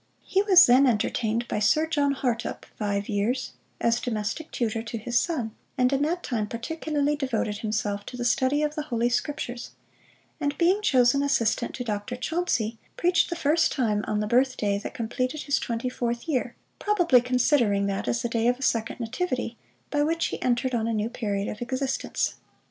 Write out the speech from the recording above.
He was then entertained by Sir John Hartopp five years, as domestic tutor to his son: and in that time particularly devoted himself to the Study of the Holy Scriptures; and being chosen assistant to Dr. Chauncey, preached the first time on the birth day that completed his twenty fourth year; probably considering that as the day of a second nativity, by which he entered on a new period of existence.